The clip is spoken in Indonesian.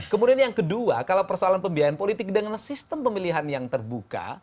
kemudian yang kedua kalau persoalan pembiayaan politik dengan sistem pemilihan yang terbuka